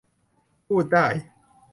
พูดได้